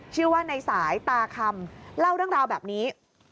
ชื่อว่าในสายตาคำเล่าเรื่องราวแบบนี้